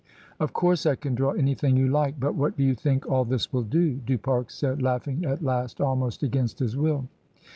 "Of course I can draw anything you like, but what do you think all this will do?" Du Pare said, laughing at last almost against his will.